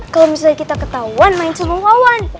kalau misalnya kita ketauan main cenggong wawan